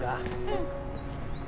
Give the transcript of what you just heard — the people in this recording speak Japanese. うん。